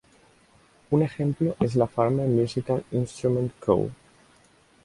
Un ejemplo es la Farmer Musical Instrument Co.